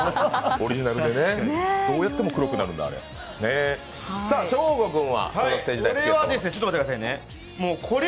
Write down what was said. オリジナルでね、どうやっても黒くなるんだ、あれ。